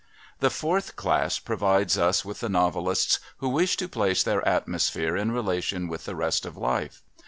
The fourth class provides us with the novelists who wish to place their atmosphere in relation with the rest of life.